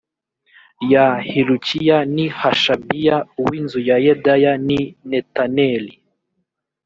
ya hilukiya ni hashabiya uw inzu ya yedaya ni netaneli